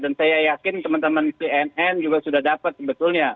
saya yakin teman teman cnn juga sudah dapat sebetulnya